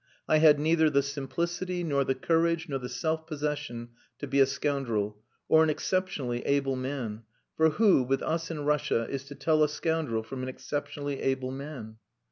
"I had neither the simplicity nor the courage nor the self possession to be a scoundrel, or an exceptionally able man. For who, with us in Russia, is to tell a scoundrel from an exceptionally able man?..."